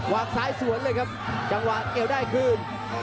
ซ้ายสวนเลยครับจังหวะเกี่ยวได้คืน